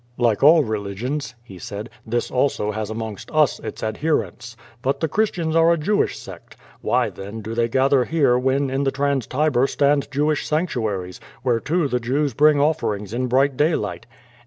"Like all religions," he said, "this also has amongst us its adherents. But the Christians are a Jewish sect. Why, then, do they gather here when in the Trans Tiber stand Jewish sanctuaries, whereto the Jews bring offerings in bright day light?"